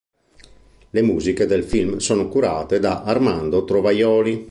Le musiche del film sono curate da Armando Trovajoli.